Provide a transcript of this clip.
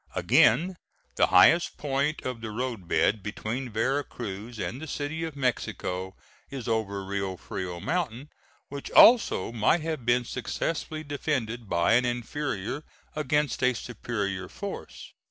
Again, the highest point of the road bed between Vera Cruz and the City of Mexico is over Rio Frio mountain, which also might have been successfully defended by an inferior against a superior force.